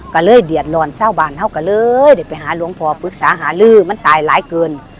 กะเลยเดี๋ยดรอนเศร้าบานเท่ากะเลยได้ไปหาโรงพอปรึกษาหาลื้อมันตายหลายเกิน